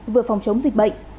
vừa phòng chống dịch bệnh